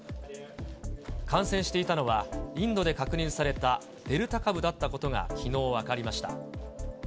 感染していたのは、インドで確認されたデルタ株だったことがきのう分かりました。